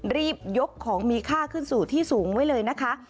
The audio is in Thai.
รีบยกของมีค่าขึ้นสู่ที่สูงไว้เลยนะคะ